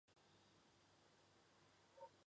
史迪威事件中他支持蒋介石而反对史迪威。